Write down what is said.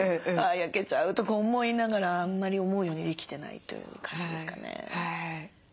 あ焼けちゃうとか思いながらあんまり思うようにできてないという感じですかね。